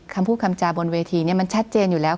คำพูดคำจาบนเวทีมันชัดเจนอยู่แล้ว